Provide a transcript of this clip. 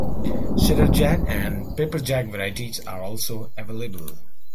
Cheddar-Jack and Pepper Jack varieties are also available.